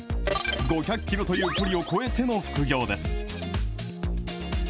５００キロという距離を超えての副業です。